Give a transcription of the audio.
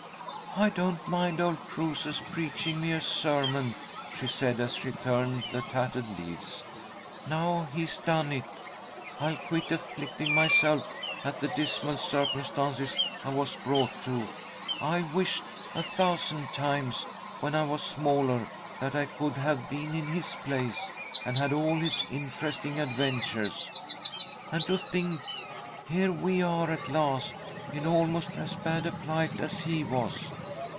"I don't mind old Crusoe's preaching me a sermon," she said, as she turned the tattered leaves. "Now he's done it, I'll quit 'afflicting myself at the dismal circumstances I was brought to.' I've wished a thousand times, when I was smaller, that I could have been in his place, and had all his interesting adventures. And to think, here we are at last, in almost as bad a plight as he was.